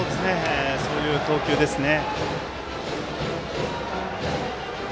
そういう投球ですね。